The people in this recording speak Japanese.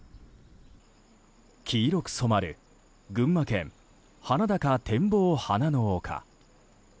黄色く染まる群馬県鼻高展望花の丘。